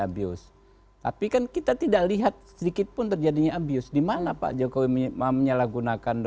abuse tapi kan kita tidak lihat sedikitpun terjadinya abuse dimana pak jokowi menyalahgunakan